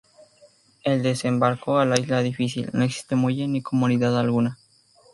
El desembarco a la isla es difícil, no existe muelle ni comodidad alguna.